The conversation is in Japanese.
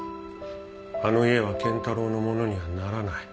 あの家は賢太郎のものにはならない。